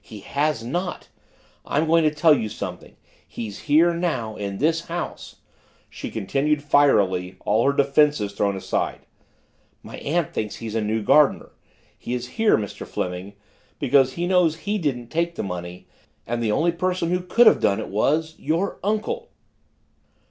"He has not! I'm going to tell you something. He's here, now, in this house " she continued fierily, all her defenses thrown aside. "My aunt thinks he's a new gardener. He is here, Mr. Fleming, because he knows he didn't take the money, and the only person who could have done it was your uncle!"